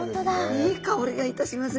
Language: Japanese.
いい香りがいたします。